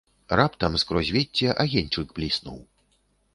Раптам скрозь вецце агеньчык бліснуў.